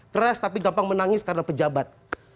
keras tapi gampang menangis karena pejabat